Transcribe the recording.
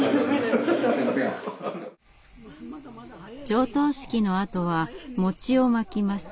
上棟式のあとは餅をまきます。